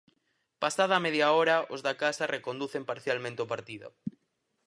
Pasada a media hora os da casa reconducen parcialmente o partido.